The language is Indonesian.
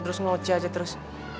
terus ngoceh aja terus